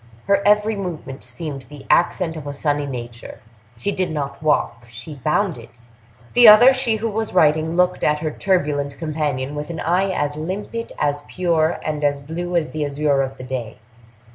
Her every movement seemed the accent of a sunny nature; she did not walk—she bounded. The other, she who was writing, looked at her turbulent companion with an eye as limpid, as pure, and as blue as the azure of the day.